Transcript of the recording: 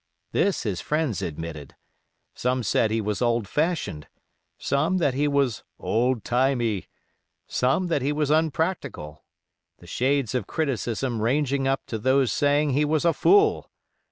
This his friends admitted. Some said he was old fashioned; some that he was "old timey"; some that he was unpractical, the shades of criticism ranging up to those saying he was a fool.